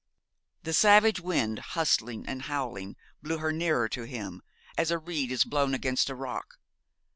The savage wind, hustling and howling, blew her nearer to him, as a reed is blown against a rock.